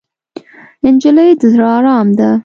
نجلۍ د زړه ارام ده.